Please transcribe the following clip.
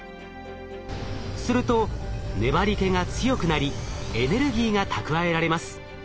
すると粘り気が強くなりエネルギーが蓄えられます。